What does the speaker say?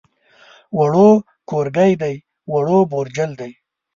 ووړ کورګی دی، ووړ بوجل دی.